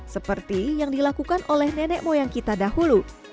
seperti yang dilakukan oleh nenek moyang kita dahulu